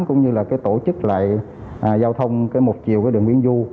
cũng như là cái tổ chức lại giao thông cái một chiều cái đường nguyễn du